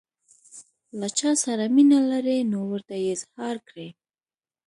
له چا سره مینه لرئ نو ورته یې اظهار کړئ.